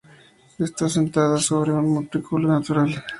Está asentada sobre un montículo natural.